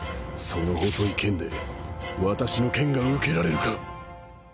その細い剣で私の剣が受けられるか